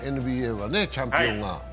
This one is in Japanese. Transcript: ＮＢＡはチャンピオンが。